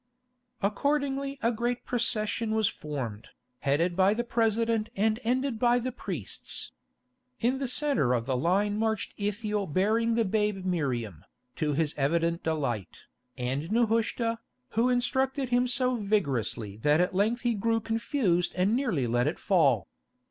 Accordingly a great procession was formed, headed by the President and ended by the priests. In the centre of the line marched Ithiel bearing the babe Miriam, to his evident delight, and Nehushta, who instructed him so vigorously that at length he grew confused and nearly let it fall.